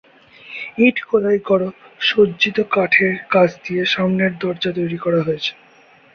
ইট খোদাই করো সজ্জিত কাঠের কাজ দিয়ে সামনের দরজা তৈরি করা হয়েছে।